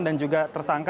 dan juga tersangka